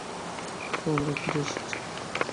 তো, আমরা ফিরে এসেছি?